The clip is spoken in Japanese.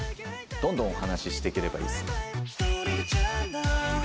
どんどんお話ししていければいいですね。